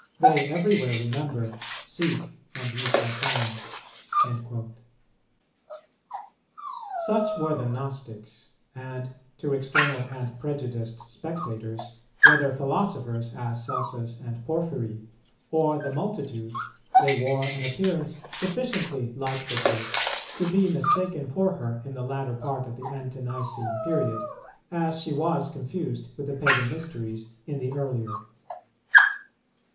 They everywhere remember, 'Seek, and ye shall find.'"[223:4] Such were the Gnostics; and to external and prejudiced spectators, whether philosophers, as Celsus and Porphyry, or the multitude, they wore an appearance sufficiently like the Church to be mistaken for her in the latter part of the Ante nicene period, as she was confused with the Pagan mysteries in the earlier.